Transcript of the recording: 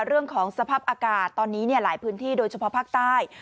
เรื่องของสภาพอากาศตอนนี้หลายพื้นที่โดยเฉพาะภาคใต้